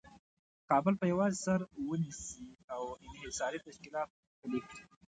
کابل په یوازې سر ونیسي او انحصاري تشکیلات پلي کړي.